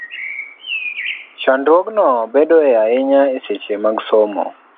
Chandruogno bedoe ahinya e seche mag somo,